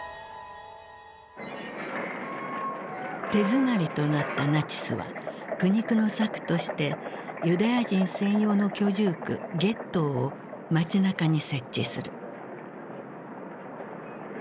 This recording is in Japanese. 手詰まりとなったナチスは苦肉の策としてユダヤ人専用の居住区ゲットーを街なかに設置する。